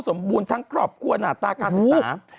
สมบูรณ์ทั้งครอบครัวหน้าตาการศึกษา